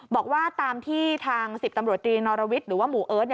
บอกว่าตามที่ทาง๑๐ตำรวจตรีนอรวิทย์หรือว่าหมู่เอิร์ท